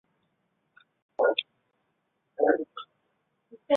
埃德是荷兰海尔德兰省的一个镇和基层政权。